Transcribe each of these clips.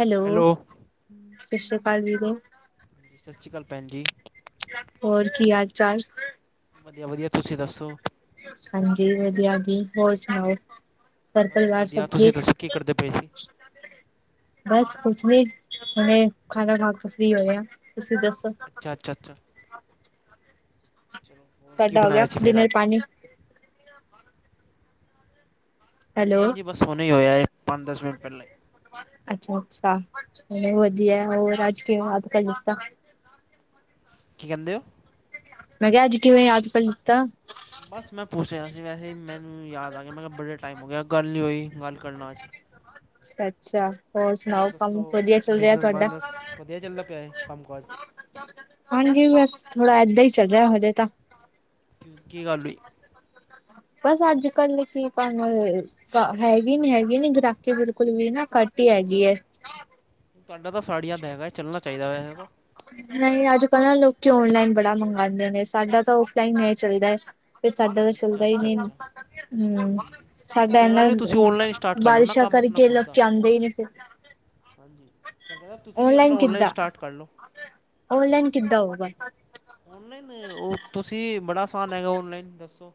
Hello, ਸਸ ਰੀ ਕਾਲ ਵੀਰੇ। ਹਾਂਜੀ ਸਤਿ ਸ਼੍ਰੀ ਅਕਾਲ ਭੈਣ ਜੀ ਹੋਰ ਕੀ ਹਾਲ -ਚਾਲ? ਵਧੀਆ ਵਧੀਆ। ਤੁਸੀਂ ਦੱਸੋ। ਹਾਂਜੀ ਵਧੀਆ ਜੀ, ਹੋਰ ਸੁਣਾਓ। ਘਰ ਬਸ ਪਰਿਵਾਰ ਸਭ ਵਧੀਆ, ਤੁਸੀਂ ਠੀਕ? ਦੱਸੋ। ਕੀ ਕਰਦੇ ਪਏ ਸੀ? ਬਸ ਕੁਛ ਨੀਂ, ਹੁਣੇ ਖਾਣਾ ਖਾ ਕੇ ਫ੍ਰੀ ਹੋਏ ਆਂ, ਤੁਸੀਂ ਦੱਸੋ? ਅੱਚਾ ਅੱਚਾ। ਚਲੋ। ਹੋਰ ਕੀ ਸਾਡਾ ਹੋ ਗਿਆ, ਬਣਾਇਆ ਸੀ ਫਿਰ ਅੱਜ ਡਿਨਰ-ਪਾਣੀ। ਹਾਂਜੀ ਹੈਲੋ, ਹਾਂਜੀ। ਬਸ ਹੁਣੇ ਈ ਹੋਇਆ ਏ, ਪੰਜ-ਦਸ ਮਿੰਟ ਪੈਲਾਂ ਈ। ਅੱਛਾ ਅੱਛਾ, ਚਲੋ ਹਾਂਜੀ ਵਧੀਆ। ਹੋਰ ਅੱਜ ਕਿਵੇਂ ਯਾਦ ਕਰ ਲਿਤਾ। ਕੀ ਕੈਂਦੇ ਓ? ਮੈਂ ਕਿਆ ਅੱਜ ਕਿਵੇਂ ਯਾਦ ਕਰ ਲਿਤਾ। ਬਸ ਮੈਂ ਪੁੱਛ ਰਿਆ ਸੀ ਵੈਸੇ ਈ ਮੈਨੂੰ ਯਾਦ ਆ ਗਿਆ। ਮੈਂ ਕਿਆ ਬੜੇ ਟਾਈਮ ਹੋ ਗਿਆ ਗੱਲ ਨੀਂ ਹੋਈ। ਗੱਲ ਕਰਨਾ ਅੱਜ। ਅੱਛਾ ਅੱਛਾ। ਹੋਰ ਸੁਣਾਓ ਕੰਮ ਦੱਸੋ। ਵਧੀਆ ਚੱਲ ਰਿਹਾ ਤੁਹਾਡਾ? ਬਿਜ਼ਨਸ-ਬਾਜ਼ਨਸ ਵਧੀਆ ਚੱਲਦਾ ਪਿਆ ਏ, ਕੰਮ-ਕਾਜ। ਹਾਂਜੀ ਬਸ, ਥੋੜਾ ਏਦਾਂ ਈ ਚੱਲ ਰਿਆ ਹਜੇ ਤਾਂ। ਕਿਉਂ ਕੀ ਗੱਲ ਹੋਈ? ਬਸ ਅੱਜ-ਕਲ ਕੀ ਕੰਮ [unintelligible] ਹੈਗੀ ਨੀ ਹੈਗੀ ਨੀ ਗਰਾਕੀ ਬਿਲਕੁਲ ਵੀ ਨਾ, ਕੱਟ ਈ ਹੈਗੀ ਏ। ਤੋਹਾਡਾ ਤਾਂ ਸਾੜੀਆਂ ਦਾ ਹੈਗਾ ਚੱਲਣਾ ਚਾਈਦਾ ਵੇਸੇ ਤੋ ਨਈ ਅੱਜ ਕੱਲ ਨਾ ਲੋਕੀ ਔਨਲਾਈਨ ਬੜਾ ਮੰਗਾਂਦੇ ਨੇ। ਸਾਡਾ ਤਾਂ ਔਫਲਾਈਨ ਨਈ ਚੱਲਦਾ ਐ ਫੇਰ ਸਾਡਾ ਤਾਂ ਅੱਛਾ ਚੱਲਦਾ ਈ ਅੱਛਾ ਨੀ ਅੱਛਾ ਹੂੰ ਹਾਂਜੀ ਤੇ ਸਾਡਾ ਕੋਈ ਗੱਲ ਏਨਾ ਨਹੀਂ ਤੁਸੀਂ ਔਨਲਾਈਨ ਸਟਾਰਟ ਕਰ ਲਓ ਨਾ ਬਾਰਿਸ਼ਾਂ ਕੰਮ ਆਪਣਾ ਕਰਕੇ ਖੁਦ ਦਾ ਲੋਕੀ ਆਂਦੇ ਈ ਨੇ ਫੇਰ ਹਾਂਜੀ- ਮੈਂ ਕੈ ਰਿਆ ਤੁਸੀਂ ਵੀ ਅਪਨਾ ਔਨਲਾਈਨ ਕਿੱਦਾਂ ਸਟਾਰਟ ਕਰ ਲੋ ਔਨਲਾਈਨ ਕਿੱਦਾਂ ਹੋਊਗਾ ਔਨਲਾਈਨ ਓ ਤੁਸੀਂ ਬੜਾ ਆਸਾਨ ਹੈਗਾ ਔਨਲਾਈਨ ਦੱਸੋ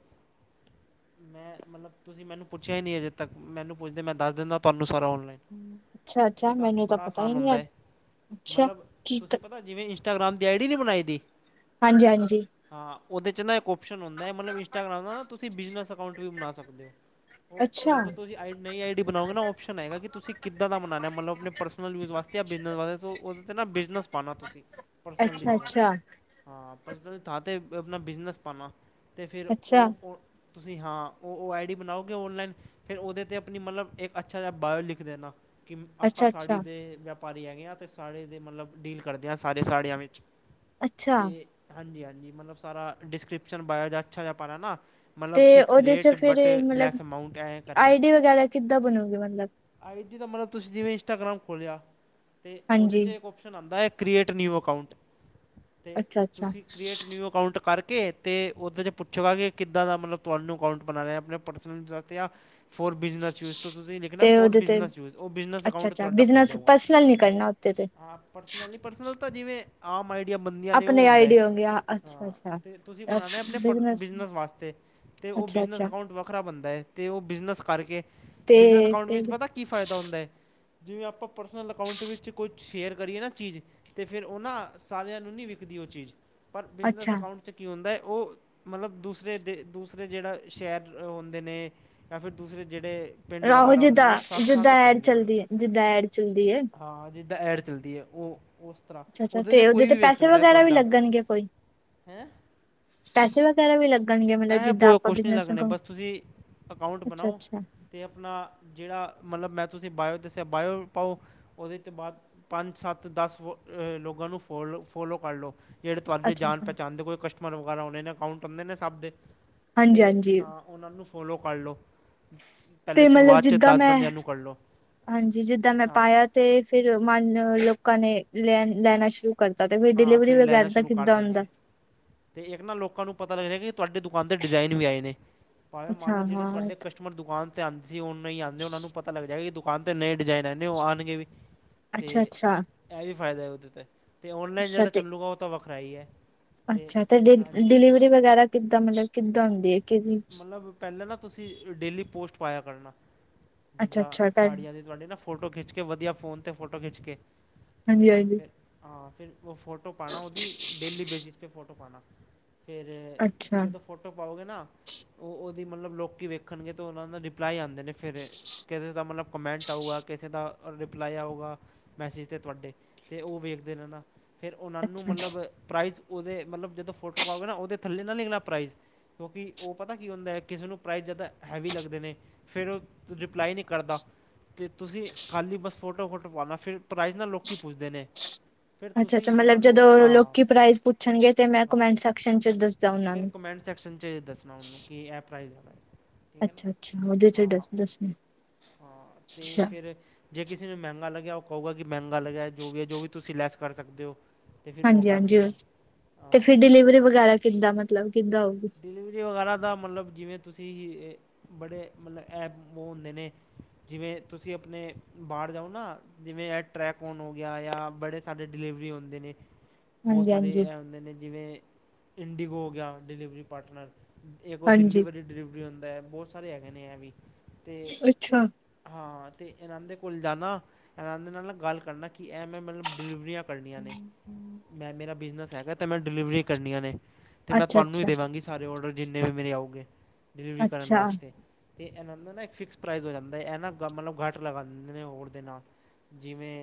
ਮੈਂ ਮਤਲਬ ਤੁਸੀਂ ਮੈਨੂੰ ਪੁੱਛਿਆ ਈ ਨੀ ਅਜੇ ਤੱਕ, ਮੈਨੂੰ ਪੁੱਛਦੇ ਮੈਂ ਦੱਸ ਦਿੰਦਾ ਤੁਆਨੂੰ ਸਾਰਾ ਔਨਲਾਈਨ ਅੱਛਾ ਅੱਛਾ ਓਦਾ ਮੈਨੂੰ ਤਾਂ ਬੜਾ ਪਤਾ ਹੀ ਅਸਾਨ ਨਹੀਂ ਹੁੰਦਾ ਏ ਅੱਛਾ ਮਤਲਬ ਕੀ ਤੁਸੀਂ ਪਤਾ ਪਤਾ, ਜਿਵੇਂ ਇੰਸਟਗ੍ਰਾਮ ਦੀ ਆਈ ਡੀ ਨੀ ਬਣਾਈ ਦੀ ਹਾਂਜੀ-ਹਾਂਜੀ ਹਾਂ ਓਦੇ 'ਚ ਨਾ ਇੱਕ ਓਪਸ਼ਨ ਹੁੰਦਾ ਐ, ਮਤਲਬ ਇੰਸਟਾਗ੍ਰਾਮ ਦਾ ਨਾ ਤੁਸੀਂ ਬਿਜਨਸ ਅਕਾਊਂਟ ਵੀ ਬਨਾ ਸਕਦੇ ਓ ਓ ਅੱਛਾ ਜਦੋਂ ਤੁਸੀਂ ਆਈ ਨਈ ਆਈਡੀ ਬਣਾਓਗੇ ਨਾ ਓਪਸ਼ਨ ਆਏਗਾ ਕਿ ਤੁਸੀਂ ਕਿੱਦਾਂ ਦਾ ਬਨਾਨਾ ਮਤਲਬ ਆਪਣੇ ਪਰਸਨਲ ਯੂਜ ਵਾਸਤੇ ਜਾਂ ਬਿਜ਼ਨਸ ਵਾਸਤੇ, ਓਦੇ 'ਤੇ ਨਾ ਬਿਜ਼ਨਸ ਪਾਨਾ ਤੁਸੀਂ ਪਰਸਨਲ ਦੀ ਅੱਛਾ ਜਗ੍ਹਾ ਅੱਛਾ ਹਾਂ ਪਰਸਨਲ ਦੀ ਥਾਂ ਤੇ ਅਪਨਾ ਬਿਜਨਸ ਪਾਨਾ ਤੇ ਫਿਰ ਓ ਅੱਛਾ ਓ ਤੁਸੀਂ ਹਾਂ ਓ ਓ ਆਈ ਡੀ ਬਣਾਓਗੇ ਔਨਲਾਈਨ ਫਿਰ ਓਦੇ 'ਤੇ ਅਪਨੀ ਮਤਲਬ ਇੱਕ ਅੱਛਾ ਜਿਆ ਬਾਇਓ ਲਿਖ ਦੇਨਾ ਕੀ ਅੱਛਾ ਆਪਾਂ ਸਾੜੀ ਅੱਛਾ ਦੇ ਵਪਾਰੀ ਹੈਗੇ ਆਂ, ਤੇ ਸਾੜੀ ਦੇ ਮਤਲਬ ਡੀਲ ਕਰਦੇ ਆਂ ਸਾਰੇ ਸਾੜੀਆਂ ਵਿੱਚ ਅੱਛਾ ਤੇ ਹਾਂਜੀ-ਹਾਂਜੀ ਮਤਲਬ ਸਾਰਾ ਡਿਸਕ੍ਰਿਪਸ਼ਨ ਬਾਇਆ ਦਾ ਅੱਛਾ ਜਿਆ ਪਾਨਾ ਨਾ ਮਤਲਬ ਤੇ ਫਿਕਸ ਉਹਦੇ ਚ ਰੇਟ ਫਿਰ ਬਟ ਮਤਲਬ ਲੈਸ ਅਮਾਊਂਟ ਐ ਕਰਕੇ ਆਈਡੀ ਵਗੈਰਾ ਕਿੱਦਾਂ ਬਣੂਗੀ ਮਤਲਬ ਆਈਡੀ ਦਾ ਮਤਲਬ ਤੁਸੀਂ ਜਿਵੇਂ ਇੰਸਟਾਗਰਾਮ ਖੋਲਿਆ ਤੇ ਉਹਦੇ ਹਾਂਜੀ ਚ ਔਪਸ਼ਨ ਆੰਦਾ ਐ ਕ੍ਰੀਏਟ ਨਿਊ ਅਕਾਊਂਟ ਤੇ ਅੱਛਾ ਅੱਛਾ ਤੁਸੀਂ ਕ੍ਰੀਏਟ ਨਿਊ ਅਕਾਊਂਟ ਕਰਕੇ ਅਤੇ ਉਹਦੇ 'ਚ ਪੁੱਛੇਗਾ ਕਿ ਕਿੱਦਾਂ ਦਾ ਮਤਲਬ ਤੁਹਾਨੂੰ ਅਕਾਊਂਟ ਬਨਾਨਾ ਆਪਣੇ ਪਰਸਨਲ ਜਾਂ ਤੇ ਆ ਫੋੌਰ ਬਿਜ਼ਨਸ ਯੂਜ ਤੋਂ ਤੁਸੀਂ ਲਿਖਣਾ ਤੇ ਫੋੌਰ ਉਹਦੇ ਤੇ ਬਿਜ਼ਨਸ ਯੂਜ਼ ਉਹ ਬਿਜਨਸ ਅਕਾਊਂਟ ਤੁਹਾਡ ਖੁੱਲ੍ਹ ਜਾਊਗਾ ਤੇ ਤੇ ਹਾਂ ਪਰਸਨਲ ਨੀ ਪਰਸਨਲ ਤਾਂ ਜਿਵੇਂ ਆਮ ਆਈਡੀਆ ਬੰਨਦੀਆਂ ਨੇ ਉਹ ਆਪਣੇ ਹੁੰਦਾ ਏ ਆਈਡੀ ਹੋਗੇ ਅੱਛਾ ਹਾਂ ਅੱਛਾ ਤੇ ਤੁਸੀਂ ਬਨਾਨਾ ਆਪਣੇ ਬਿਜਨਸ ਵਾਸਤੇ ਤੇ ਉਹ ਅੱਛਾ ਬਿਜਨਸ ਅੱਛਾ ਅਕਾਊਂਟ ਵੱਖਰਾ ਬਨਦਾ ਏ ਤੇ ਉਹ ਬਿਜਨਸ ਕਰਕੇ ਤੇ ਬਿਜਨਸ ਅਕਾਊਂਟ ਵਿੱਚ ਫਿਰ ਪਤਾ ਕੀ ਫਾਇਦਾ ਹੁੰਦਾ ਐ ਜਿਵੇਂ ਆਪਾਂ ਪਰਸਨਲ ਅਕਾਊਂਟ ਵਿੱਚ ਕੋਈ ਸ਼ੇਅਰ ਕਰੀਏ ਨਾ ਚੀਜ਼ ਅਤੇ ਫਿਰ ਉਹ ਨਾਂ ਸਾਰਿਆਂ ਨਹੀਂ ਵਿਕਦੀ ਉਹ ਚੀਜ਼, ਪਰ ਬਿਜਨਸ ਅੱਛਾ ਅਕਾਊਂਟ ਚ' ਕੀ ਹੁੰਦਾ ਏ ਉਹ ਮਤਲਬ ਦੂਸਰੇ ਦੇ ਦੂਸਰੇ ਜਿਹੜਾ ਸ਼ਹਿਰ ਹੁੰਦੇ ਨੇ ਯਾ ਫਿਰ ਦੂਸਰੇ ਜਿਹੜੇ ਪਿੰਡ ਰਾਹੋ ਵਗੈਰਾ ਹੁੰਦੇ ਨੇ ਜਿੱਦਾਂ ਉਹ ਸਭ ਥਾਂ ਜਿੱਦਾਂ ਤਾਂ ਐਡ ਫੈਲ ਜਾਊਗੀ ਚੱਲਦੀ ਏ ਜਿੱਦਾਂ ਐਡ ਚੱਲਦੀ ਏ ਹਾਂ ਜਿੱਦਾਂ ਐਡ ਚੱਲਦੀ ਏ ਉਹ ਉਸ ਤਰ੍ਹਾਂ ਅੱਛਾ ਅੱਛਾ ਉਹਦੇ ਤੇ ਚ ਕੋਈ ਤੇ ਵੀ ਪੈਸੇ ਸਕਦਾ ਵਗੈਰਾ ਵੀ ਤੁਹਾਡਾ, ਲੱਗਣਗੇ ਕੋਈ ਹੈਂ ਪੈਸੇ ਵਗੈਰਾ ਵੀ ਲੱਗਣਗੇ ਮਤਲਬ ਪੈਹੇ ਜਿੱਦਾਂ ਪੁਹੇ ਆਪਾਂ ਕੁਛ ਨੀ ਬਿਜਨਸ ਲਗਣੇ ਅੱਛਾ ਬਸ ਤੁਸੀਂ ਅਕਾਊਂਟ ਅੱਛਾ ਬਣਾਓ ਅੱਛਾ ਤੇ ਅਪਨਾ ਜਿਹੜਾ ਮਤਲਬ ਮੈਂ ਤੁਸੀਂ ਬਾਇਓ ਦੱਸਿਆ ਬਾਇਓ ਪਾਓ ਉਹਦੇ ਤੋਂ ਬਾਅਦ ਪੰਜ ਸੱਤ ਦਸ ਲੋਕਾਂ ਨੂੰ ਫੋਲੋ ਫੋਲੋ ਕਰਲੋ ਜਿਹੜੇ ਤੁਹਾਡੀ ਅੱਛਾ ਜਾਨ ਪਹਿਚਾਨ ਦੇ ਕੋਈ ਕਸਟਮਰ ਵਗੈਰਾ ਉਹ ਨੇ ਅਕਾਊਂਟ ਹੁੰਦੇ ਨੇ ਸਬ ਦੇ ਹਾਂਜੀ ਤੇ ਹਾਂਜੀ ਹਾੰ ਉਹਨਾਂ ਨੂੰ ਫੋਲੋ ਕਰ ਲਉ ਤੇ ਮਤਲਬ ਜਿੱਦਾਂ ਮੈਂ ਕਰ ਲਓ ਹਾੰਜੀ ਜਿੱਦਾਂ ਮੈਂ ਹਾਂ ਪਾਇਆ ਤੇ ਫਿਰ ਮਨ ਲੋਕਾਂ ਨੇ ਲੈਨ ਲੈਨਾ ਸ਼ੁਰੂ ਕਰਤਾ ਤੇ ਹਾਂ ਡਿਲੀਵਰੀ ਫਿਰ ਲੈਨਾ ਵਗੈਰਾ ਦਾ ਸ਼ੁਰੂ ਕਰ ਕਿੱਦਾਂ ਦੇਨਗੇ ਹੁੰਦਾ? ਤੇ ਇੱਕ ਨਾ ਲੋਕਾਂ ਨੂੰ ਪਤਾ ਲੱਗ ਜੇਗਾ ਕਿ ਤੁਹਾਡੀ ਦੁਕਾਨ 'ਤੇ ਡਿਜ਼ਾਇਨ ਵੀ ਆਏ ਨੇ ਭਾਵੇਂ ਮੰਨ ਲਓ ਅੱਛਾ ਜਿਹੜੇ ਹਾਂ ਤੁਹਾਡੇ ਕਸ ਕਸਟਮਰ ਦੁਕਾਨ ਤੇ ਆਂਦੇ ਸੀ ਉ ਨਈ ਆਂਦੇ ਉਨਾ ਨੂੰ ਪਤਾ ਲੱਗਦਾ ਏ ਕਿ ਦੁਕਾਨ ਤੇ ਨਏ ਡਿਜ਼ਾਇਨ ਆਏ ਨੇ ਉ ਆਨਗੇ ਵੀ ਅੱਛਾ ਤੇ ਅੱਛਾ ਐ ਵੀ ਫਾਇਦਾ ਏ ਉਦੇ ਤੇ, ਤੇ ਔਨਲਾਈਨ ਅੱਛਾ ਜੇੜਾ ਤੇ ਚੱਲੂਗਾ ਉ ਤਾਂ ਵੱਖਰਾ ਈ ਏ। ਅੱਛਾ ਤੇ ਡਿਲ ਡਿਲੀਵਰੀ ਵਗੈਰਾ ਕਿੱਦਾਂ ਮਲਬ ਕਿੱਦਾਂ ਹੁੰਦੀ ਏ ਕਿਦੀ ਪੈਲਾਂ ਨਾ ਤੁਸੀਂ ਡੇਲੀ ਪੋਸਟ ਪਾਇਆ ਕਰਨਾ, ਅੱਛਾ ਜਿੱਦਾਂ ਅੱਛਾ ਕਰ ਸਾੜੀਆਂ ਦੇ ਤੁਹਾਡੀ ਨਾ ਫੋਟੋ ਖਿੱਚ ਕੇ ਵਧੀਆ ਫੋਨ 'ਤੇ ਫੋਟੋ ਖਿੱਚ ਕੇ, ਠੀਕ ਏ ਹਾਂਜੀ ਨਾ ਹਾਂਜੀ ਫੇਰ ਹਾਂ ਫੇਰ ਉ ਫੋਟੋ ਪਾਨਾ ਉਦੀ ਡੇਲੀ ਬੇਸਿਸ ਪੇ ਫੋਟੋ ਪਾਨਾ। ਫੇਰ ਤੁਸੀਂ ਅੱਛਾ ਜਦੋਂ ਫੋਟੋ ਪਾਓਗੇ ਨਾ ਉ ਉਦੀ ਮਲਬ ਲੋਕੀ ਵੇਖਨਗੇ ਤਾਂ ਉਨਾਂ ਦਾ ਰਿਪਲਾਈ ਆਂਦੇ ਨੇ ਫੇਰ ਕਿਸੇ ਦਾ ਮਤਲਬ ਕਮੈਂਟ ਆਊਗਾ, ਕਿਸੇ ਦਾ ਰਿਪਲਾਈ ਆਊਗਾ ਮੈਸੇਜ ਤੇ ਤੁਹਾਡੇ ਤੇ ਉ ਵੇਖਦੇ ਰੈਨਾ। ਫੇਰ ਉਨਾਂ ਨੂੰ ਅੱਛਾ ਮਲਬ ਪ੍ਰਾਈਜ਼ ਉਦੇ ਮਲਬ ਜਦੋਂ ਫੋਟੋ ਪਾੳਗੇ ਨਾ ਉਦੇ ਥੱਲੇ ਨਾ ਲਿਖਨਾ ਪ੍ਰਾਈਜ਼ ਕਿਉਂਕਿ ਉ ਪਤੈ ਕੀ ਹੁੰਦਾ ਐ, ਕਿਸੇ ਨੂੰ ਪ੍ਰਾਈਜ਼ ਜਾਦਾ ਹੈਵੀ ਲੱਗਦੇ ਨੇ ਫੇਰ ਉ ਰਿਪਲਾਈ ਨੀ ਕਰਦਾ। ਤੇ ਤੁਸੀਂ ਖਾਲੀ ਬਸ ਫੋਟੋ-ਫੋਟੋ ਪਾਨਾ ਫੇਰ ਨਾ ਪ੍ਰਾਈਜ਼ ਨਾ ਲੋਕੀ ਪੁੱਛਦੇ ਨੇ। ਫਿਰ ਅੱਛਾ-ਅੱਛਾ ਤੁਸੀਂ ਉਹਨਾਂ ਮਲਬ ਨੂੰ ਜਦੋਂ ਹਾਂ ਲੋਕੀ ਪ੍ਰਾਈਜ਼ ਪੁੱਛਨਗੇ ਤੇ ਮੈਂ ਕਮੈਂਟ ਸੈਕਸ਼ਨ ਚ ਦੱਸਦਾ ਉਨਾ ਨੂੰ। ਚਸ਼ਨ ਚੇ ਦੱਸਨਾ ਉਨੂੰ ਕਿ ਐ ਪ੍ਰਾਈਜ਼ ਹੈਗਾ ਏ। ਅੱਛਾ-ਅੱਛਾ ਉਦੇ ਚੋ ਈ ਦੱਸ ਦੱਸਨੈ। ਹਾਂ ਤੇ ਫੇਰ ਜੇ ਕਿਸੇ ਨੂੰ ਮੈਂਗਾ ਲੱਗਿਆ ਉ ਕੳਗਾ ਕਿ ਮੈਂਗਾ ਲੱਗਿਆ ਜੋ ਵੀ ਹੈ ਜੋ ਵੀ ਤੁਸੀਂ ਲੈਸ ਕਰ ਸਕਦੇ ੳ। ਹਾਂਜੀ-ਹਾਂਜੀ ਤੇ ਫੇਰ ਡਿਲੀਵਰੀ ਵਗੈਰਾ ਕਿੱਦਾ ਮਤਲਬ ਕਿੱਦਾਂ ਹੋਊਗੀ। ਡਿਲੀਵਰੀ ਵਗੈਰਾ ਦਾ ਮਲਬ ਜਿਵੇਂ ਤੁਸੀਂ ਬੜੇ ਮਤਲਬ ਐ ਉ ਹੁੰਦੇ ਨੇ, ਜਿਵੇਂ ਤੁਸੀਂ ਅਪਨੇ ਬਾਰ ਜਾਓ ਨਾ ਜਿਵੇਂ ਟ੍ਰੈਕੋਨ ਹੋ ਗਿਆ ਯਾਂ ਬੜੇ ਸਾਰੇ ਡਿਲੀਵਰੀ ਹੁੰਦੇ ਨੇ ਬੋਤ ਹਾਂਜੀ ਸਾਰੇ ਹਾਂਜੀ ਐ ਹੁੰਦੇ ਨੇ ਜਿਵੇਂ ਇੰਡੀਗੋ ਹੋ ਗਿਆ ਡਿਲੀਵਰੀ ਪਾਰਟਨਰ। ਏਕ ਉ ਦਿੱਲੀ ਹਾਂਜੀ ਵਾਰੀ ਡਿਲੀਵਰੀ ਹੁੰਦੈ, ਬੋਤ ਸਾਰੇ ਹੈਗੇ ਨੇ ਐ ਵੀ। ਤੇ ਅੱਛਾ ਹਾਂ ਤੇ ਇਨਾਂਨ ਦੇ ਕੋਲ ਜਾਨਾ ਇਨਾਨ ਦੇ ਨਾਲ ਗੱਲ ਕਰਨਾ ਕਿ ਐ ਮੈਂ ਮਲਬ ਡਿਲੀਵਰੀਆਂ ਕਰਨੀਆਂ ਨੇ। ਮੈਂ ਮੇਰਾ ਬਿਜਨਸ ਹੈਗਾ ਤੇ ਮੈਂ ਡਿਲੀਵਰੀ ਕਰਨੀਆਂ ਨੇ। ਤੁਆਨੂੰ ਹੀ ਅੱਛਾ-ਅੱਛਾ, ਅੱਛਾ ਦੇਵਾਂਗੀ ਸਾਰੇ ਔਡਰ ਜਿੰਨੇ ਵੀ ਮੇਰੇ ਆਉਗੇ, ਡਿਲੀਵਰੀ ਕਰਨ ਅੱਛਾ ਵਾਸਤੇ। ਤੇ ਇਨਾਂ ਦਾ ਨਾ ਇੱਕ ਫਿਕਸ ਪ੍ਰਾਈਜ਼ ਹੋ ਜਾਂਦੈ ਐ ਨਾ ਮਲਬ ਘੱਟ ਲਗਾ ਦੇਂਦੇ ਨੇ ਹੋਰਾ ਦੇ ਨਾਲ। ਜਿਵੇਂ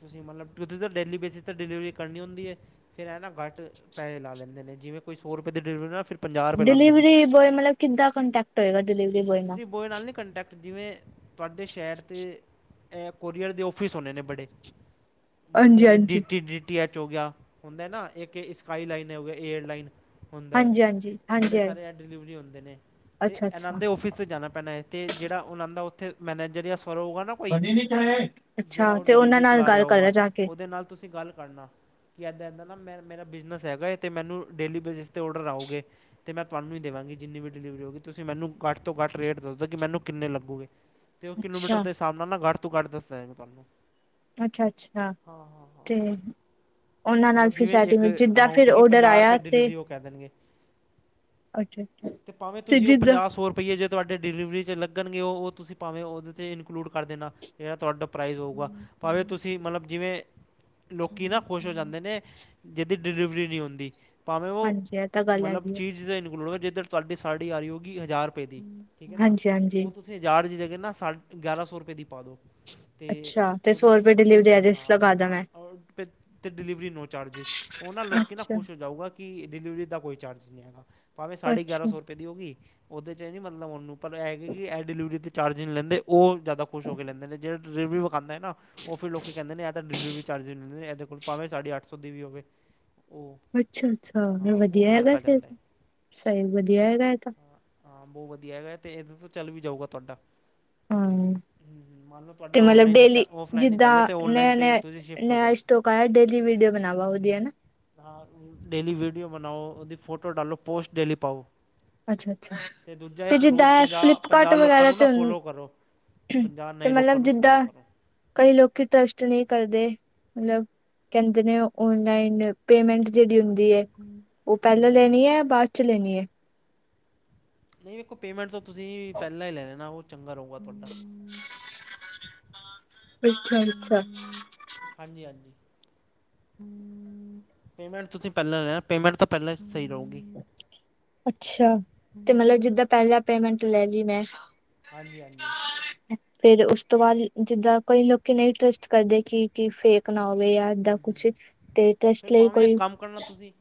ਤੁਸੀਂ ਮਲਬ ਕਿਂ ਤਾਂ ਡੇਲੀ ਬੇਸਿਸ ਤੇ ਡਿਲੀਵਰੀ ਕਰਨੀ ਹੁੰਦੀ ਏ। ਫੇਰ ਐ ਨਾ ਘੱਟ ਪੈਹੇ ਲਾ ਲੈਂਦੇ ਨੇ ਜਿਵੇਂ ਕੋਈ ਸੋ ਰੁਪਏ ਦੀ ਡਿਲੀਵਰੀ ਨਾ ਫਿਰ ਪੰਜਾਹ ਰੁਪਏ ਲਾਉਂਦੇ ਨੇ ਡਿਲੀਵਰੀ ਬੋਏ ਮਲਬ ਕਿੱਦਾਂ ਕੰਟੈਕਟ ਹੋਏਗਾ ਡਿਲੀਵਰੀ ਬੋਏ ਨਾਲ? ਔਏ ਨਾਲ ਨੀ ਕੰਟੈਕਟ, ਜਿਵੇਂ ਤੁਹਾਡੇ ਸ਼ੈਰ 'ਤੇ ਐ ਕੋਰੀਅਰ ਦੇ ਆਫਿਸ ਹੋਨੇ ਨੇ ਬੜੇ ਮਲਬ ਜਿਵੇਂ ਡੀ ਹਾਂਜੀ-ਹਾਂਜੀ। ਟੀ ਡੀ ਟੀ ਐੱਚ ਹੋ ਗਿਆ ਹੁੰਦਾ ਨਾ ਏਕ ਸਕਾਈ ਲਾਈਨ ਏ ਹੋ ਗਿਆ ਏਅਰਲਾਈਨ। ਹੁੰਦਾ ਏ, ਹਾਂਜੀ-ਹਾਂਜੀ, ਹਾਂਜੀ ਬੜੇ ਸਾਰੇ ਐ ਡਿਲੀਵਰੀ ਹੁੰਦੇ ਨੇ ਤੇ ਅੱਛਾ-ਅੱਛਾ। ਐਨਾਂਦੇ ਔਫਿਸ ਤੇ ਜਾਨਾ ਪ ਨਾ ਏ ਤੇ ਜੇੜਾ ਉਨਾਂ ਦਾ ਉੱਥੇ ਮੈਨੇਜਰ ਯਾਂ ਸਵਰ ਹੋਗਾ ਨਾ ਕੋਈ ਅੱਛਾ ਅੱਛਾ ਜੇੜਾ ਅੱਛਾ ਉ ਤੇ ਉਹਨਾਂ ਡਿਲੀਵਰੀ ਨਾਲ ਚਲਾ ਰਿਆ ਗੱਲ ਹੋਊਗਾ ਕਰਨਾ ਜਾ ਕੇ ਉਦੇ ਨਾਲ ਤੁਸੀਂ ਗੱਲ ਕਰਨਾ। ਕੀ ਐਦਾ-ਐਦਾ ਨਾ ਮੈ ਮੇਰਾ ਬਿਜਨਸ ਹੈਗਾ ਏ ਤੇ ਮੈਨੂੰ ਡੇਲੀ ਬੇਸਿਸ ਤੇ ਔਡਰ ਆਉਗੇ। ਤੇ ਮੈਂ ਤੁਆਨੂੰ ਦੇਵਾਂਗੀ ਜਿੰਨੀ ਵੀ ਡਿਲੀਵਰੀ ਹੋਗੀ, ਤੁਸੀਂ ਮੈਨੂੰ ਘੱਟ ਤੋਂ ਘੱਟ ਰੇਟ ਦੱਸ ਦੋ ਕਿ ਮੈਨੂੰ ਕੀਨੇ ਲੱਗੁਗੇ। ਤੇ ਉ ਕਿਲੋਮੀਟਰ ਅੱਛਾ, ਦੇ ਸਾਬ ਨਾਲ ਨਾ ਘੱਟ ਤੋਂ ਘੱਟ ਦੱਸ ਦੇਗਾ ਤੁਆਨੂੰ। ਅੱਛਾ-ਅੱਛਾ ਤੇ ਉਹਨਾਂ ਨਾਲ ਮਲਬ ਫਿਰ ਜਿਵੇਂ ਏਕ ਸੈਟਿੰਗ ਜਿੱਦਾਂ ਅਮਾਊਂਟ ਫਿਰ ਹੋ ਗਈ ਔਡਰ ਪੰਜਾਹ ਰੁਪੇ ਆਇਆ ਤੇ ਡਿਲੀਵਰੀ ਉ ਕੈ ਦੇਨਗੇ। ਅੱਛਾ-ਅੱਛਾ ਤੇ ਭਾਵੇਂ ਤੁਸੀਂ ਉ ਪੰਜਾ ਸੌ ਰਪਈਏ ਜੇ ਤੁਆਡੇ ਡਿਲੀਵਰੀ 'ਚ ਲੱਗਣਗੇ ਉਹ ਤੁਸੀਂ ਭਾਵੇਂ ਉਹਦੇ 'ਚ ਇਨਕਲੂਡ ਕਰ ਦੇਣਾ। ਜੇੜਾ ਤੁਆਡਾ ਪ੍ਰਾਈਜ਼ ਹੋਊਗਾ ਭਾਵੇਂ ਤੁਸੀਂ ਮਤਲਬ ਜਿਵੇਂ ਲੋਕੀ ਨਾ ਖੁਸ਼ ਹੋ ਜਾਂਦੇ ਨੇ ਜਿਦੀ ਡਿਲੀਵਰੀ ਨਈ ਹੁੰਦੀ, ਭਾਵੇਂ ਓ ਹਾਂਜੀ ਇਹ ਤਾਂ ਗੱਲ ਮਤਲਬ ਹੈਗੀ ਏ। ਚੀਜ ਦੇ ਇਨਕਲੂਡ ਹੋਣ ਜਿਧਰ ਤੁਹਾਡੀ ਸਾੜੀ ਆਈ ਹੋਓਗੀ ਹਜ਼ਾਰ ਰੁਪਏ ਦੀ ਠੀਕ ਹੈ ਨਾ ਹਾਂਜੀ-ਹਾਂਜੀ ਉਹ ਤੁਸੀਂ ਹਜ਼ਾਰ ਦੀ ਜਗਾ ਨਾ ਸਾ ਗਿਆਰਾਂ ਸੌ ਰੁਪਏ ਦੀ ਪਾਦੋ। ਤੇ ਅੱਛਾ ਤੇ ਓਦੇ ਸੌ ਚ ਪਤਾ ਰੁਪਏ ਕੀ ਡਿਲੀਵਰੀ ਹੁੰਦਾ ਹੈ ਐਜਸ ਲਗਾ ਦਾ ਹਾਂ ਮੈਂ ਤੇ ਡਿਲੀਵਰੀ ਨੋ ਚਾਰਜਿਸ ਓ ਨਾਂ ਲੋਕੀ ਨਾ ਅੱਛਾ। ਖੁਸ਼ ਹੋ ਜਾਊਗਾ ਕਿ ਡਿਲੀਵਰੀ ਦਾ ਕੋਈ ਚਾਰਜ ਨਈ ਹੈਗਾ। ਭਾਵੇਂ ਸਾਢੇ ਗਿਆਰਾਂ ਅੱਛਾ, ਸੋ ਰੁਪਏ ਦੀ ਹੋ ਗਈ ਉਹਦੇ 'ਚ ਏ ਨਈ ਮਤਲਬ ਓ ਨੂੰ ਪਰ ਐ ਹੈਗੇ ਕਿ ਐ ਡਿਲੀਵਰੀ ਤੇ ਚਾਰਜ ਨਈ ਲੈਂਦੇ ਉਹ ਜ਼ਿਆਦਾ ਖੁਸ਼ ਹੋ ਕੇ ਲੈਂਦੇ ਨੇ ਜੇੜੇ ਡਲੀਵਰੀ ਵਿਖਾਦੇ ਹੈ ਨਾ ਓ ਫਿਰ ਲੋਕੀ ਕੇਂਦੇ ਨੇ ਏ ਤਾਂ ਡਿਲੀਵਰੀ ਚਾਰਜ ਵੀ ਨਈ ਲੈਂਦੇ ਇਹਦੇ ਕੋਲ ਭਾਵੇਂ ਸਾਡੀ ਅੱਠ ਸੌ ਦੀ ਵੀ ਹੋਵੇ। ਉਹ ਅੱਛਾ- ਅੱਛਾ ਮਤਲਬ ਹਾਂ ਉਹ ਵੱਧੀਆ ਫਰਕ ਹੈਗਾ ਆ ਫਿਰ, ਜਾਂਦਾ ਹੈ ਸਈ ਵੱਧੀਆ ਹੈਗਾ ਏ ਤਾਂ। ਹਾਂ, ਹਾਂ ਬੋਤ ਵਧੀਆ ਹੈਗਾ ਤੇ ਇਹਦੇ ਤੋਂ ਚੱਲ ਵੀ ਜਾਊਗਾ ਤੁਆਡਾ। ਹਾਂ। ਮੰਨ ਲਓ ਤੇ ਤੁਆਡਾ ਮਤਲਬ ਔਨਲਾਈਨ ਨਈ ਚੱਲ ਡੇਲੀ ਔਫਲਾਈਨ ਨਈ ਚੱਲ ਰੇਆ ਤੇ ਔਨਲਾਈਨ ਤੇ ਤੁਸੀਂ ਸ਼ਿਫਟ ਹੋ ਜਾਓਗੇ। ਤੋ ਕਾ ਆ ਡੇਲੀ ਵੀਡੀਓ ਬਣਾਵਾ ਓਦੀਆ ਨਾ? ਹਾਂ ਡੇਲੀ ਵੀਡੀਓ ਬਣਾਓ, ਉਹਦੀ ਫੋਟੋ ਡਾਲੋ ਪੋਸਟ ਡੇਲੀ ਪਾਓ। ਅੱਛਾ ਅੱਛਾ। ਤੇ ਦੂਜਾ ਇੱਕ ਜਿੱਦਾਂ ਰੋਜ਼ ਪੰਜਾਹ- ਫਲਿੱਪਕਾਰਟ ਪੰਜਾਹ ਲੋਕਾਂ ਵਗੈਰਾ ਨੂੰ ਨਾ ਤੇ ਫੋਲੋ ਕਰੋ। ਪੰਜਾਹ ਤੇ ਨਏ ਲੋਕਾਂ ਮਤਲਬ ਨੂੰ ਜਿੱਦਾਂ ਫੋਲੋ ਕਰੋ। ਕਈ ਲੋਕੀ ਟਰਸਟ ਨਈ ਕਰਦੇ, ਮਤਲਬ ਕੇਂਦੇ ਨੇ ਓਨਲਾਈਨ ਪੇਮੈਂਟ ਜੇੜੀ ਹੁੰਦੀ ਏ, ਓ ਪੇਲਾਂ ਹਾਂਜੀ ਹਾਂਜੀ ਲੇਣੀ ਏ ਬਾਅਦ ਚ ਲੇਣੀ ਐ? ਨਈ ਵੇਖੋ ਪੇਮੈਂਟ ਤਾਂ ਤੁਸੀਂ ਪੇਲਾਂ ਈ ਲੈ ਲੇਨਾ ਓ ਚੰਗਾ ਰਏਗਾ ਤੁਆਡਾ। ਅੱਛਾ- ਅੱਛਾ। ਹਾਂਜੀ- ਹਾਂਜੀ। ਪੇਮੈਂਟ ਤੁਸੀਂ ਪੇਲਾਂ ਲੈਣਾ, ਪੇਮੈਂਟ ਤਾਂ ਪੇਲਾਂ ਈ ਸਈ ਰਓਗੀ। ਅੱਛਾ, ਤੇ ਮਤਲਬ ਜਿੱਦਾਂ ਪੇਲਾਂ ਪੇਮੈਂਟ ਲੈ ਲਈ ਮੈਂ? ਹਾਂਜੀ -ਹਾਂਜੀ। [unintelligible] ਫੇਰ ਉਸ ਤੋਂ ਬਾਅਦ ਜਿੱਦਾਂ ਕਈ ਲੋਕੀ ਨਈ ਟਰਸਟ ਕਰਦੇ ਕਿ- ਕੀ ਫੇਕ ਨਾ ਹੋਵੇ ਯਾਰ ਦਾ ਕੁਛ ਤੇ ਫਿਰ ਟੈਸਟ ਲਏ ਭਾਵੇਂ ਇੱਕ ਕੋਈ ਕੰਮ ਕਰਨਾ ਤੁਸੀਂ?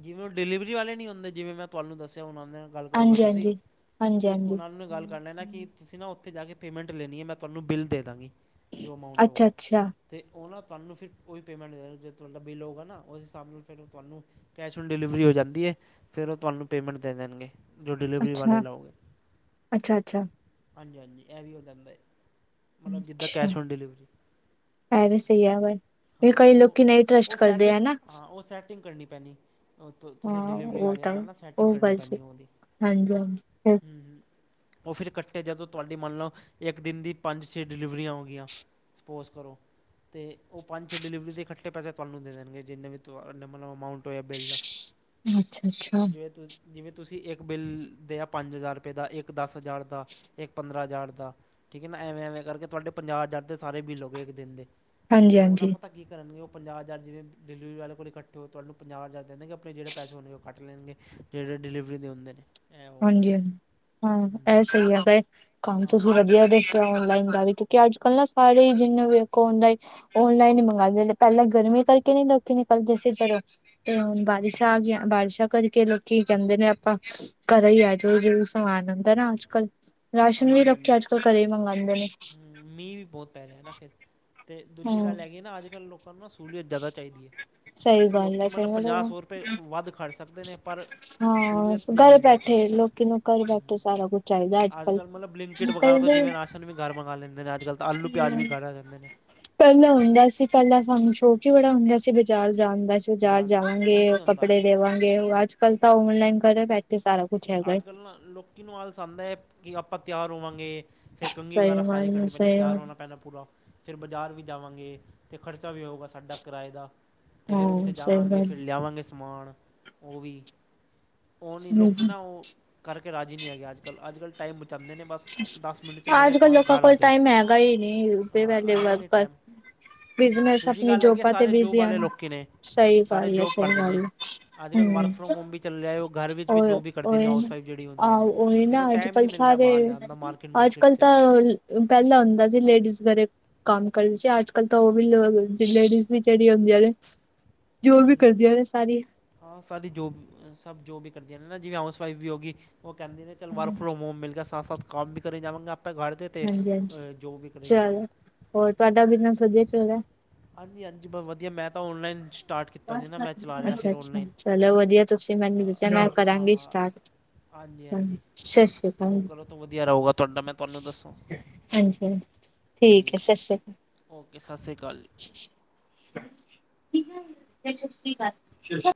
ਜਿਵੇਂ ਓ ਡਿਲੀਵਰੀ ਵਾਲੇ ਨਈ ਹੁੰਦੇ ਜਿਵੇਂ ਮੈਂ ਤੁਆਨੂੰ ਦੱਸੇਆ ਹਣ ਆਂਦੇ ਆ ਗੱਲ ਕਰੋਗੇ ਤੁਸੀਂ, ਹਾਂਜੀ-ਹਾਂਜੀ, ਤੇ ਹਾਂਜੀ-ਹਾਂਜੀ, ਓਨਾਂ ਨੂੰ ਗੱਲ ਕਰ ਲੈਂ ਨਾ ਕਿ ਤੁਸੀਂ ਨਾ ਓੱਥੇ ਜਾ ਕੇ ਪੇਮੈਂਟ ਲੇਣੀ ਏ ਮੈ ਤੁਆੰਨੂ ਬਿੱਲ ਦੇ ਦਾਂਗੀ ਜੋ ਅਮਾਊਂਟ ਹੋਊਗਾ। ਅੱਛਾ-ਅੱਛਾ, ਤੇ ਓ ਨਾ ਤੁਆਨੂੰ ਫਿਰ ਓਹੀ ਪੇਮੈਂਟ ਦੇਗਾ ਜੋ ਤੁਆਡਾ ਬਿੱਲ ਹੋਊਗਾ ਨਾ, ਉਸ ਹਿਸਾਬ ਨਾਲ ਫਿਰ ਓ ਤੁਆੰਨੂ ਤੁਆੰਨੂ ਕੈਸ਼ ਔਨ ਡਿਲੀਵਰੀ ਹੋ ਜਾਂਦੀ ਏ, ਫੇਰ ਓ ਤੁਆੰਨੂੰ ਪੇਮੈਂਟ ਦੇ ਦੇਣਗੇ। ਜੋ ਡਿਲੀਵਰੀ ਵਾਲੇ ਅੱਛਾ, ਲਓਗੇ। ਅੱਛਾ-ਅੱਛਾ। ਹਾਂਜੀ ਹਾਂਜੀ ਏ ਵੀ ਹੋ ਜਾਂਦਾ ਏ, ਮਤਲਬ ਜਿੱਦਾਂ ਕੈਸ਼ ਔਨ ਡਿਲੀਵਰੀ। ਏ ਵੀ ਸਈ ਹੈਗਾ ਵੀ ਹਾਂ ਕਈ ਉਹ ਲੋਕੀ ਨਈ ਟਰਸਟ ਉਹ ਕਰਦੇ ਸੈਟਿੰਗ ਹਨਾ? ਹਾਂ ਓ ਸੈਟਿੰਗ ਕਰਨੀ ਪੈਣੀ। ਤੁਸੀਂ ਹਾਂ ਡਿਲੀਵਰੀ ਉਹ ਵਾਲੇਆਂ ਤਾਂ ਨਾਲ ਨਾ ਸੈਟਿੰਗ ਉਹ ਕਰਨੀ ਗੱਲ ਪੈਣੀ ਓਦੀ ਹਾਂਜੀ-ਹਾਂਜੀ, ਹੂੰ, ਹੂੰ ਓ ਫਿਰ ਕੱਠੇ ਜਦੋਂ ਤੁਹਾਡੀ ਮੰਨ ਲਓ ਇੱਕ ਦਿਨ ਦੀ ਪੰਜ ਛੇ ਡਿਲੀਵਰੀਆਂ ਹੋਗੀਆਂ ਸਪੋਸ ਕਰੋ ਤੇ ਓ ਪੰਜ ਛੇ ਡਿਲੀਵਰੀ ਦੇ ਇਕੱਠੇ ਪੈਸੇ ਤੁਆਨੂੰ ਦੇ ਦੇਣਗੇ ਜਿੰਨੇ ਵੀ ਤੁਹਾਡ ਮਤਲਬ ਅਮਾਊਟ ਹੋਇਆ ਬਿੱਲ ਦਾ ਅੱਛਾ-ਅੱਛਾ, ਜੇ ਤੂੰ ਜਿਵੇਂ ਤੁਸੀਂ ਇੱਕ ਬਿੱਲ ਦੇ ਆ ਪੰਜ ਹਜ਼ਾਰ ਰੁਪਏ ਦਾ ਇੱਕ ਦਸ ਹਜ਼ਾਰ ਦਾ ਇੱਕ ਪੰਦਰਾਂ ਹਜ਼ਾਰ ਦਾ ਠੀਕ ਹੈ ਨਾ ਐਵੇਂ, ਐਵੇਂ ਕਰਕੇ ਤੁਹਾਡੇ ਪੰਜਾਹ ਹਜ਼ਾਰ ਦੇ ਸਾਰੇ ਬਿੱਲ ਹੋ ਗੇ ਇੱਕ ਦਿਨ ਦੇ। ਤੇ ਉਹਨਾਂ ਹਾਂਜੀ-ਹਾਂਜੀ। ਪਤੈ ਕੀ ਕਰਨਗੇ ਉਹ ਪੰਜਾਹ ਹਜ਼ਾਰ ਜਿਵੇਂ ਡਿਵਰੀ ਵਾਲੇ ਕੋਲ ਇਕੱਠੇ ਹੋ ਤੁਹਾਨੂੰ ਪੰਜਾਹ ਹਜ਼ਾਰ ਦੇਣਗੇ ਆਪਣੇ ਜਿਹੜੇ ਪੈਸੇ ਹੋਣਗੇ ਉਹ ਕੱਟ ਲੈਣਗੇ। ਜਿਹੜੇ ਡਿਲੀਵਰੀ ਦੇ ਹੁੰਦੇ ਨੇ। ਐ ਹੋਊਗਾ ਹਾਂਜੀ ਹਾਂਜੀ ਹਾਂ ਹਮ, ਇਹ ਸਹੀ ਹੈਗੇ ਕੰਮ ਤੁਸੀਂ ਹਾਂ ਵਧੀਆ ਦੱਸਿਆ ਔਨਲਾਈਨ ਦਾ ਵੀ ਕਿਉਂਕਿ ਅੱਜ ਕੱਲ ਨਾ ਸਾਰੇ ਈ ਜਿੰਨੇ ਵੇਖੋ ਉੰਨਦਾ ਈ ਔਨਲਾਈਨ ਹੀ ਮੰਗਾਂਦੇ ਨੇ ਪੈਲਾਂ ਗਰਮੀ ਕਰਕੇ ਨੀ ਲੋਕੀ ਨਿਕਲਦੇ ਸੀ ਘਰੋਂ ਤੇ ਹੁਣ ਬਾਰਿਸ਼ਾਂ ਆਗੀਆਂ ਬਾਰਿਸ਼ਾਂ ਕਰਕੇ ਲੋਕੀ ਕਹਿੰਦੇ ਨੇ ਆਪਾਂ ਘਰੇ ਹੀ ਆਜੇ ਜੋ ਵੀ ਸਮਾਨ ਆਂਦਾ ਨਾ ਅੱਜ ਕੱਲ ਰਾਸ਼ਨ ਵੀ ਹਾਂਜੀ ਲੋਕੀ ਹਾਂਜੀ ਅੱਜ ਕੱਲ ਘਰੇ ਹੀ ਮੰਗਾਂਦੇ ਨੇ ਮੀਂਹ ਵੀ ਬੋਤ ਪੈ ਰਿਹੈ ਨਾ ਫੇਰ ਤੇ ਦੂਜੀ ਹਮ ਗੱਲ ਹੈਗੀ ਨਾ ਅੱਜ ਕੱਲ ਲੋਕ ਆਪਾਂ ਨੂੰ ਨਾ ਸਹੂਲੀਅਤ ਜਾਦਾ ਚਾਹੀਦੀ ਏ ਸਹੀ ਗੱਲ ਲੋਕੀ ਹੈ ਮਤਲਬ ਸਹੀ ਗੱਲ ਪੰਜਾਹ ਹੈ। ਸੌ ਰੁਪਏ ਵੱਧ ਖਾਚ ਸਕਦੇ ਨੇ ਪਰ ਹਾਂ ਸਹੂਲੀਅਤ ਜੇ ਘਰ ਮਿਲ ਜਾਏ ਤਾਂ ਬੈਠੇ ਲੋਕੀ ਨੂੰ ਘਰ ਬੈਠੇ ਸਾਰਾ ਕੁਛ ਚਾਹੀਦੈ ਅੱਜ ਕੱਲ ਕੱਲ੍ਹ ਮਤਲਬ ਬਲਿੰਕਿਟ ਵਗੈਰਾ ਤੋਂ ਨਿਕਲਦੇ ਜਿਵੇਂ ਰਾਸ਼ਨ ਵੀ ਘਰ ਮੰਗਾ ਲੈਂਦੇ ਨੇ ਅੱਜ ਕੱਲ ਤਾਂ ਆਲੂ ਪਿਆਜ਼ ਵੀ ਘਰ ਆ ਜਾਂਦੇ ਨੇ ਪੈਲਾਂ ਹੁੰਦਾ ਸੀ ਪੈਲਾਂ ਸਾਨੂੰ ਸ਼ੋਕ ਈ ਬੜਾ ਹੁੰਦਾ ਸੀ ਬਜ਼ਾਰ ਜਾਣ ਵਿੱਚ ਬਜ਼ਾਰ ਬਾਜ਼ਾਰ ਜਾਵਾਂਗੇ ਔਨ ਨਹੀਂ ਹੁੰਦਾ ਕੱਪੜੇ ਲੇਵਾਂਗੇ ਅੱਜ ਕੱਲ ਤਾਂ ਔਨਲਾਈਨ ਘਰੇ ਬੈਠੇ ਸਾਰਾ ਕੁਛ ਹੈਗਾ ਈ। ਅੱਜ ਕੱਲ ਨਾ ਲੋਕੀ ਨੂੰ ਆਲਸ ਆਂਦੈ ਏ ਕਿ ਆਪਾਂ ਤਿਆਰ ਹੋਵਾਂਗੇ ਫੇਰ ਕੰਘੀ ਸਹੀ ਵਗੈਰਾ ਸਾਰੀ ਮ ਕਰਨੀ ਪੈਣੀ ਸਹੀ ਤਿਆਰ ਗੱਲ, ਹੋਣਾ ਪੈਣੈ ਪੂਰਾ ਫਿਰ ਬਜ਼ਾਰ ਵੀ ਜਾਵਾਂਗੇ ਤੇ ਖਰਚਾ ਵੀ ਹੋਊਗਾ ਸਾਡਾ ਕਿਰਾਏ ਦਾ ਤੇ ਫੇਰ ਉੱਥੇ ਹਾਂ ਸਹੀ ਜਾਵਾਂਗੇ ਗੱਲ ਫੇਰ ਲਿਆਵਾਂਗੇ ਸਮਾਨ ਉਹ ਵੀ ਉਹ ਨੀ ਲੋ ਉਹ ਕਰਕੇ ਰਾਜ਼ੀ ਨੀ ਹੈਗੇ ਅੱਜ ਕੱਲ ਅੱਜ ਕੱਲ ਟਾਈਮ ਬਚਾਂਦੇ ਨੇ ਬਸ ਦਸ ਮਿੰਟ 'ਚ ਮੇਰੇ ਅੱਜ ਕੱਲ ਸਮਾਨ ਲੋਕਾਂ ਘਰ ਆ ਕੋਲ ਜੇ ਟਾਈਮ ਹੈਗਾ ਹੀ ਨਹੀਂ ਹਾਂ ਪਹਿਲੇ ਆਇਆ ਨੀ ਵਰਕਰ ਟੈਮ ਬਿਜਨਸ ਦੂਜੀ ਆਪਣੀ ਗੱਲ ਹੈਗੀ ਏ ਜੋਬਾਂ ਤੇ ਸਾਰੇ ਜੋਬ ਬਿਜ਼ੀ ਆਲੇ ਹਨ ਲੋਕੀ ਨੇ ਸਹੀ ਸਾਰੇ ਗੱਲ ਹੈ ਜੋਬ ਸਹੀ ਕਰਦੇ ਨੇ ਗੱਲ ਹੈ ਅੱਜ ਕੱਲ ਵਰਕ ਹਮ ਫਰੋਮ ਹੋਮ ਵੀ ਚੱਲਿਐ ਏ ਉਹ ਘਰ ਵਿੱਚ ਵੀ ਉਹ ਜੋਬ ਵੀ ਕਰਦੇ ਨੇ ਉਹੀ ਹਊਸ ਨਾ ਵਾਈਫ ਜਿਹੜੀ ਹੁੰਦੀਆਂ ਆਹ ਨੇ ਉਹੀ ਫੇਰ ਉਹ ਨਾ ਅੱਜ ਟੈਈਮ ਈ ਨੀ ਕੱਲ ਮਿਲਦਾ ਸਾਰੇ ਬਾਹਰ ਜਾਨ ਅੱਜ ਕਲ ਤਾਂ ਪੈਲਾਂ ਹੁੰਦਾ ਸੀ ਲੇਡੀਜ਼ ਘਰੇ ਕੰਮ ਕਰਦੇ ਸੀ ਅੱਜ ਕੱਲ ਤਾਂ ਉਹ ਵੀ ਲੇਡੀਜ਼ ਵੀ ਜਿਹੜੀ ਹੁੰਦੀਆਂ ਨੇ ਜੋਬ ਵੀ ਹਮ, ਕਰਦੀਆਂ ਨੇ ਸਾਰੀ ਹਾਂ ਸਾਰੀ ਜੋਬ ਸਭ ਜੋਬ ਵੀ ਕਰਦੀਆਂ ਨੇ ਨਾ ਜਿਵੇਂ ਹਾਊਸ ਵਾਈਫ ਵੀ ਹੋ ਗੀ ਉਹ ਕਹਿੰਦੇ ਨੇ ਚਲ ਵਰਕ ਹਾਂਜੀ ਫਰੋਮ ਹੋਮ ਮਿਲ ਗਿਆ ਸਾਥ- ਸਾਥ ਕੰਮ ਵੀ ਕਰੀ ਜਾਵਾਂਗੇ ਆਪੇ ਘਰ ਦੇ ਤੇ ਹਾਂਜੀ ਜੋਬ ਵੀ ਕਰੀ ਜਾਵਾਂਗੇ। ਚਲੋ ਹੋਰ ਤੁਹਾਡਾ ਬਿਜਨਸ ਵਧੀਆ ਚੱਲ ਰਿਹਾ। ਹਾਂਜੀ, ਹਾਂਜੀ ਬਵਧੀਆ ਮੈਂ ਤਾਂ ਔਨਲਾਈਨ ਸਟਾਰਟ ਕੀਤਾ ਸੀ ਨਾ ਅੱਛਾ, ਮੈਂ ਚਲਾ ਰਿਹਾ ਫਿਰ ਅੱਛਾ ਔਨਲਾਈਨ ਚਲੋ ਵਧੀਆ ਤੁਸੀਂ ਮੈਨੂੰ ਦੱਸਿਆ ਮੈਂ ਆ ਕਰਾਂਗੀ ਸਟਾਰਟ ਹਾਂਜੀ ਹਾਂਜੀ ਸਸ਼ ਸ੍ਰੀ ਉਹ ਕਾਲ, ਕਰੋ ਤਾਂ ਵਧੀਆ ਰਹੂਗਾ ਤੁਹਾਡਾ ਮੈਂ ਤੁਹਾਨੂੰ ਦੱਸਾਂ ਹਾਂਜੀ ਹਾਂ। ਠੀਕ ਏ, ਸ਼ਸ਼ੀ ਓਕੇ, ਸਸ ਸ੍ਰੀ ਕਾਲ ਜੀ। [unintelligible] ਸਸੀ ਕਾਲ।